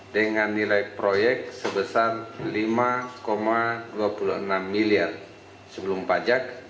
dengan nilai proyek sebesar rp lima dua puluh enam miliar sebelum pajak